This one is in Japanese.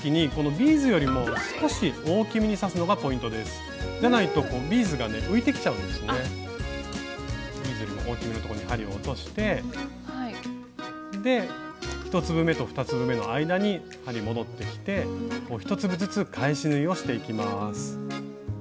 ビーズよりも大きめのところに針を落として１粒めと２粒めの間に針戻ってきて１粒ずつ返し縫いをしていきます。